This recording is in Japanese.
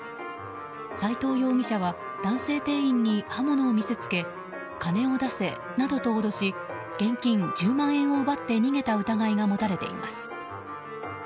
斉藤容疑者は男性店員に刃物を見せつけ金を出せなどと脅し現金１０万円を奪って逃げた疑いが持たれています。